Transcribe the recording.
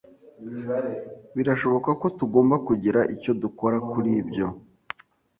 Birashoboka ko tugomba kugira icyo dukora kuri ibyo.